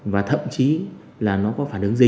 và thậm chí là nó có phản ứng dễ dàng